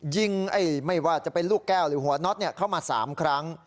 ยิงไม่ว่าจะเป็นลูกแก้วหรือหัวน็อตเข้ามา๓ครั้ง